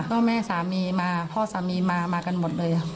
ก็แม่สามีมาพ่อสามีมามากันหมดเลย